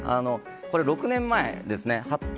６年前ですね。